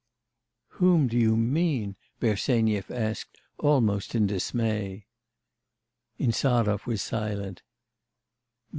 'Whom do you mean?' Bersenyev asked almost in dismay. Insarov was silent.